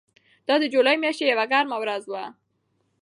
دا د جولای میاشتې یوه ګرمه ورځ وه.